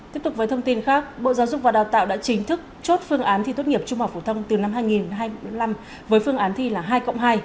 tiếp tục với thông tin khác bộ giáo dục và đào tạo đã chính thức chốt phương án thi tốt nghiệp trung học phổ thông từ năm hai nghìn hai mươi năm với phương án thi là hai cộng hai